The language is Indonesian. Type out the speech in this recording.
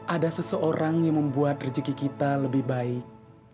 ada seseorang yang membuat rezeki kita lebih baik